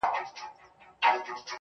دومره کمزوری يم له موټو نه چي زور غورځي,